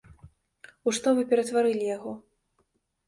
У што вы ператварылі яго?!